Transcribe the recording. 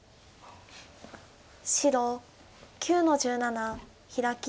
白９の十七ヒラキ。